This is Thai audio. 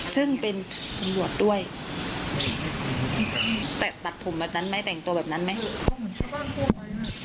ซึ่งเป็นตำรวจด้วยตัดผมแบบนั้นไหมแต่งตัวแบบนั้นไหม